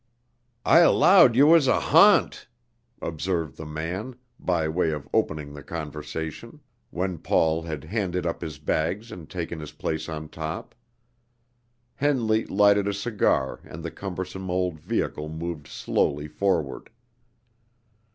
"I 'lowed yer was a hant" observed the man, by way of opening the conversation, when Paul had handed up his bags and taken his place on top. Henley lighted a cigar, and the cumbersome old vehicle moved slowly forward.